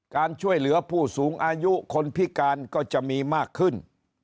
การช่วยเหลือผู้สูงอายุคนพิการก็จะมีมากขึ้น